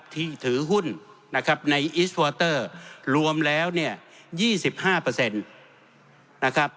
ที่ถือหุ้นในอีกประมาณ๒๕